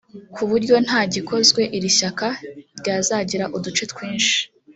ku buryo ntagikozwe iri shyaka ryazagira uduce twishi